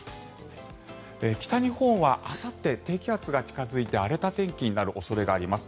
北日本はあさって低気圧が近付いて荒れた天気になる恐れがあります。